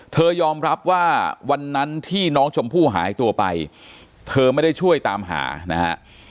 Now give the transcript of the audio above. ยอมรับว่าวันนั้นที่น้องชมพู่หายตัวไปเธอไม่ได้ช่วยตามหานะฮะ